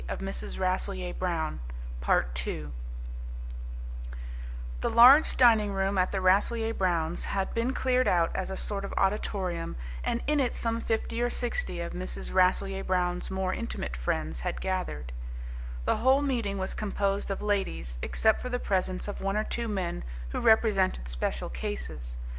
The large dining room at the Rasselyer Browns' had been cleared out as a sort of auditorium, and in it some fifty or sixty of Mrs. Rasselyer Brown's more intimate friends had gathered. The whole meeting was composed of ladies, except for the presence of one or two men who represented special cases.